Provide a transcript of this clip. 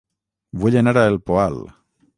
Vull anar a El Poal